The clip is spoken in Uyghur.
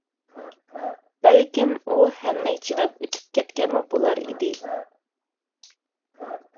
بەلكىم ئۇ ھەممىگە چىداپ ئۆتۈپ كەتكەنمۇ بولار ئىدى.